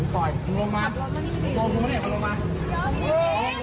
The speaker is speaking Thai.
พูดดี